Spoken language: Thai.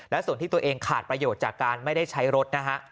และส่วนที่ตัวเองขาดประโยชน์จากการไม่ได้ใช้รถนะฮะ